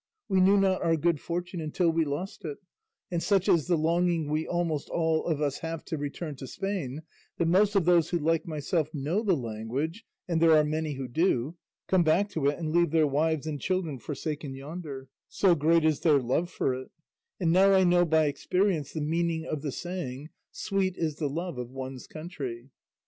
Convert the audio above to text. We knew not our good fortune until we lost it; and such is the longing we almost all of us have to return to Spain, that most of those who like myself know the language, and there are many who do, come back to it and leave their wives and children forsaken yonder, so great is their love for it; and now I know by experience the meaning of the saying, sweet is the love of one's country.